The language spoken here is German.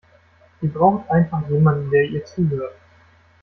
Sie braucht einfach jemanden, der ihr zuhört.